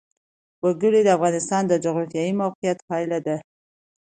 وګړي د افغانستان د جغرافیایي موقیعت پایله ده.